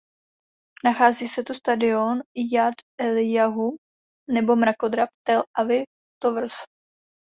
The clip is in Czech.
Nachází se tu Stadion Jad Elijahu nebo mrakodrap Tel Aviv Towers.